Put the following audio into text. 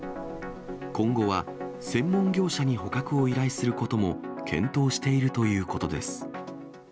今後は専門業者に捕獲を依頼することも検討しているということです。